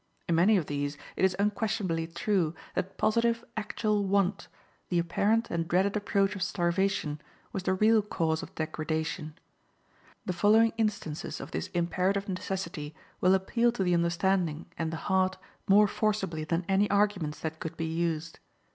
In many of these it is unquestionably true that positive, actual want, the apparent and dreaded approach of starvation, was the real cause of degradation. The following instances of this imperative necessity will appeal to the understanding and the heart more forcibly than any arguments that could be used.